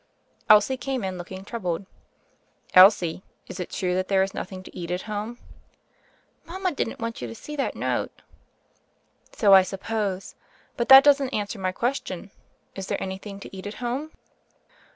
Elsie came in looking troubled. ''Elsie, is it true that there is nothing to eat at home?" "Mama didn't want you to see that note." "So I suppose: but that doesn't answer my question. Is there anything to eat at home?"